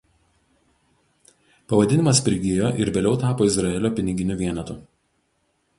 Pavadinimas prigijo ir vėliau tapo Izraelio piniginiu vienetu.